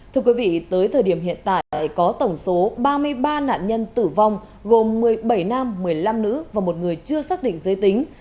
thưa quý vị tới thời điểm hiện tại có tổng số ba mươi ba nạn nhân tử vong gồm một mươi bảy nam một mươi năm nữ và một người chưa xác định giới tính